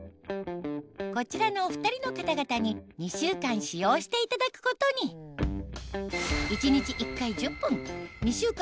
こちらのお２人の方々に２週間使用していただくことに一日１回１０分２週間